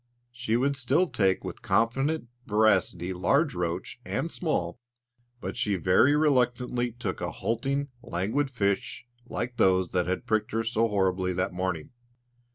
She would still take with confident voracity large roach and small; but she very reluctantly took a halting, languid fish like those that had pricked her so horribly that morning.